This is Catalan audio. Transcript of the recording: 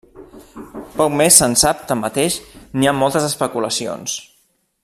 Poc més se'n sap, tanmateix, n'hi ha moltes especulacions.